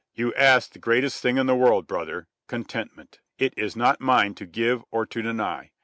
"You ask the greatest thing in the world, brother contentment. It is not mine to give or to deny.